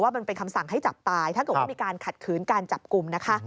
มันเป็นคำสั่งให้จับตายถ้าเกิดว่ามีการขัดขืนการจับกลุ่มนะคะ